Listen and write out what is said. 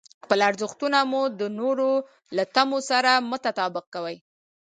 خپل ارزښتونه مو د نورو له تمو سره مه تطابق کوئ.